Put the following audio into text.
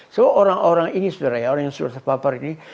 so orang orang ini sebenarnya orang yang sudah terpapar ini